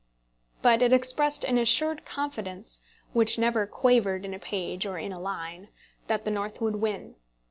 But it expressed an assured confidence which never quavered in a page or in a line that the North would win.